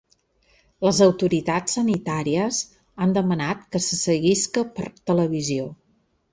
Les autoritats sanitàries han demanat que se seguisca per televisió.